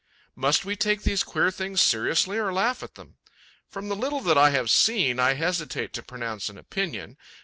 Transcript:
Must we take these queer things seriously or laugh at them? From the little that I have seen, I hesitate to pronounce an opinion.